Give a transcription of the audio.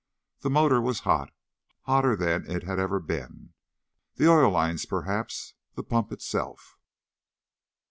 The motor was hot. Hotter than it had ever been. The oil lines, perhaps the pump itself....